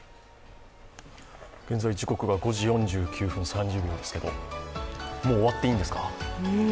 現在、時刻が５時４９分３０秒ですけどもう終わっていいんですか？